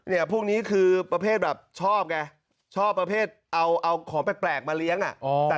พวกนี้คือประเภทแบบชอบไงชอบประเภทเอาของแปลกมาเลี้ยงอ่ะ